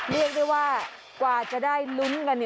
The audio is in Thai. เรียกได้ว่ากว่าจะได้ลุ้นกัน